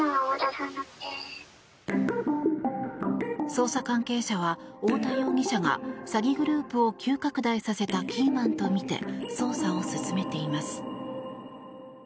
捜査関係者は太田容疑者が詐欺グループを急拡大させたキーマンとみて捜査を進めています。